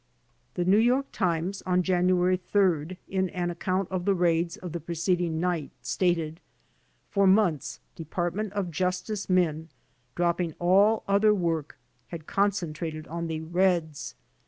The New York Times on January 3rd, in an account of the raids of the preceding night, stated : "For months Department of Justice men, dropping all other work, had concentrated on the Reds.